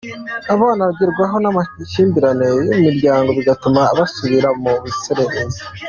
Abana bagerwaho n’amakimbirane yo mu miryango bigatuma basubira mu buzererezi.